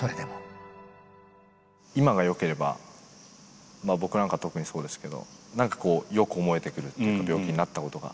今がよければ、僕なんか特にそうですけど、なんかこうよく思えてくるっていうか、病気になったことが。